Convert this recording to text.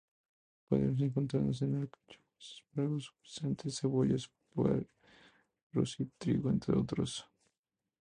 Podemos encontrarlos en alcachofas, espárragos, guisantes, cebollas, puerros y trigo, entre otros.